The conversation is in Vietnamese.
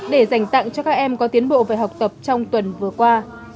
để dành tặng cho các em có tiến bộ về học tập trong tuần vừa qua